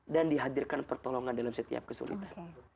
dan dihadirkan pertolongan dalam setiap kesulitan